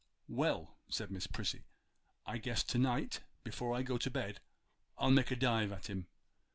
'Well,' said Miss Prissy, 'I guess to night before I go to bed I'll make a dive at him.